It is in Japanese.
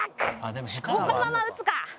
もうこのまま打つか。